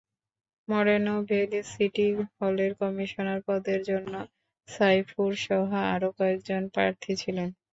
মরেনো Valley city হলের commissioner পদের জন্য সাইফুরসহ আরও কয়েকজন প্রার্থী ছিলেন।